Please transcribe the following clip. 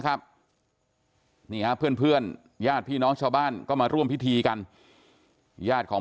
ครับนี่ฮะเพื่อนญาติพี่น้องชาวบ้านก็มาร่วมพิธีกันญาติของ